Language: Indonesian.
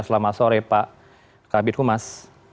selamat sore pak kabit humas